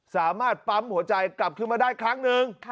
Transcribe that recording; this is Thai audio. สามารถปั๊มหัวใจกลับขึ้นมาได้ครั้งหนึ่ง